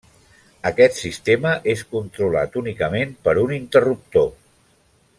Aquest sistema és controlat únicament per un interruptor.